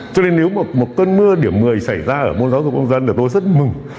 cho nên nếu mà một cơn mưa điểm một mươi xảy ra ở môn giáo dục công dân là tôi rất mừng